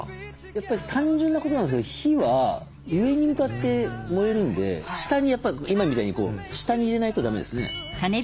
やっぱり単純なことなんですけど火は上に向かって燃えるんで今みたいに下に入れないとだめですね。